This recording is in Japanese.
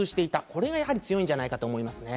これはやはり強いんじゃないかと思いますね。